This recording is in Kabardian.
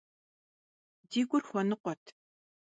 Di gur xuenıkhuet.